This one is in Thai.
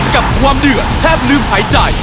กับความเดือดแทบลืมหายใจ